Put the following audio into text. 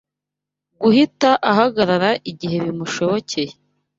Guhita ahagarara igihe bimushobokeye